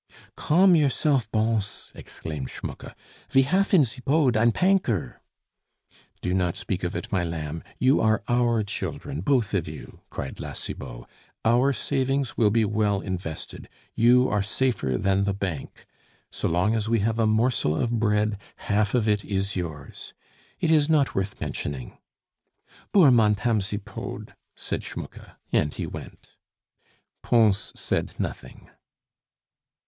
"Calm yourself, Bons," exclaimed Schmucke; "ve haf in Zipod ein panker " "Do not speak of it, my lamb. You are our children, both of you," cried La Cibot. "Our savings will be well invested; you are safer than the Bank. So long as we have a morsel of bread, half of it is yours. It is not worth mentioning " "Boor Montame Zipod!" said Schmucke, and he went. Pons said nothing.